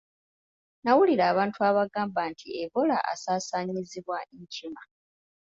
Nawulira abantu abagamba nti Ebola asaasaanyizibwa nkima.